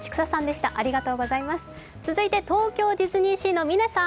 続いて東京ディズニーシーの嶺さん。